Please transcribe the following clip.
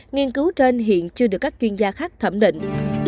nghiên cứu trên hiện chưa được các chuyên gia khác thẩm định